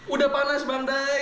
udah panas bang day